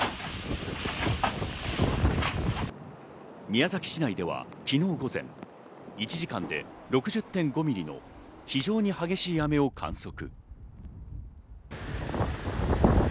宮崎市内では昨日午前、１時間で６０．５ミリの非常に激しい雨を観測。